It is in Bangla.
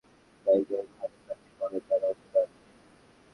স্থানীয় লোকজনের মধ্যে যাঁরা নানা জায়গায় ভালো চাকরি করেন, তাঁরা অনুদান দিয়েছেন।